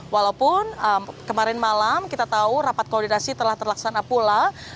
walaupun kemarin malam kita tahu rapat koordinasi telah terlaksana pula